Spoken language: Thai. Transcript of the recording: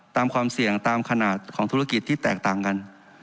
ความเสี่ยงตามขนาดของธุรกิจที่แตกต่างกัน